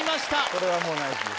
これはもうナイスです